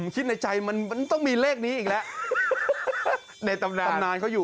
คิดในใจมันต้องมีเลขนี้อีกแล้วในตำนานตำนานเขาอยู่